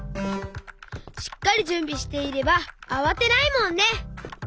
しっかりじゅんびしていればあわてないもんね！